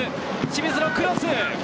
清水のクロス。